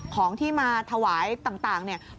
ของที่ฐาวายแต่ละต่างเนี่ย